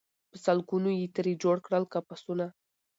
په سل ګونو یې ترې جوړ کړل قفسونه